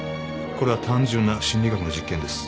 これは単純な心理学の実験です。